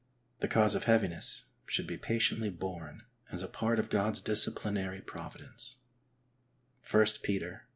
The cause of heaviness should be patiently borne as a part of God's disciplinary providence (l Peter 7).